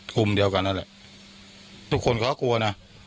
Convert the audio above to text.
กลุ่มเดียวกันนั่นแหละทุกคนเขาก็กลัวนะ